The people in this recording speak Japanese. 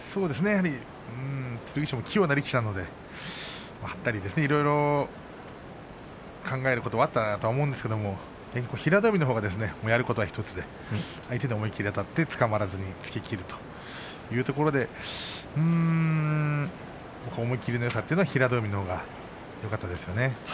やはり剣翔も器用な力士なので張ったり、いろいろ考えることはあったと思うんですけれど平戸海のほうはやることは１つで思い切りあたってつかまらずに突ききるというところで思い切りのよさというのは平戸海のほうがよかったですよね。